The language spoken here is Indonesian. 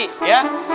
berani gak sama sapi